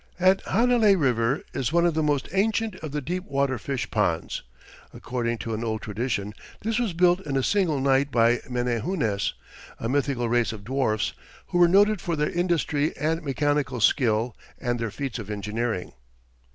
At Hanalei River is one of the most ancient of the deep water fish ponds. According to an old tradition, this was built in a single night by Menehunes, a mythical race of dwarfs, who were noted for their industry and mechanical skill and their feats of engineering.